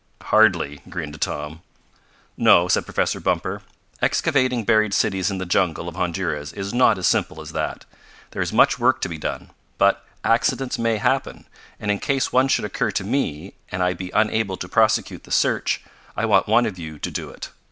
"Hardly," grinned Tom. "No," said Professor Bumper. "Excavating buried cities in the jungle of Honduras is not as simple as that. There is much work to be done. But accidents may happen, and in case one should occur to me, and I be unable to prosecute the search, I want one of you to do it.